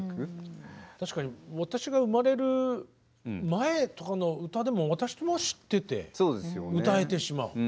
確かに私が生まれる前とかの歌でも私も知ってて歌えてしまう。